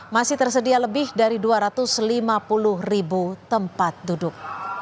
masih tersedia lebih dari dua ratus lima puluh ribu tempat duduk